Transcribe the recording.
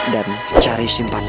dan cari simpatinya